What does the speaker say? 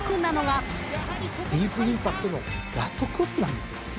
ディープインパクトのラストクロップなんですよ。